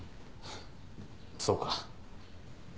そうか。